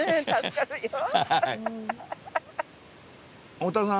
太田さん